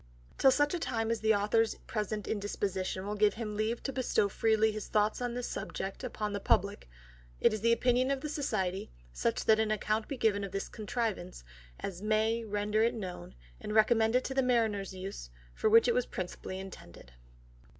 'Till such time as the Author's present Indisposition will give him leave to bestow freely his Thoughts on this Subject upon the Publick, it is the Opinion of the Society, that such an Account be given of this Contrivance, as may render it known, and recommend it to the Mariners use, for which it was principally intended.